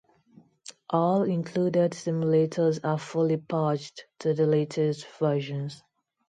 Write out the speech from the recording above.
All included simulators are fully patched to the latest versions.